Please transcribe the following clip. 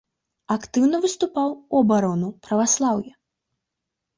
Актыўна выступаў у абарону праваслаўя.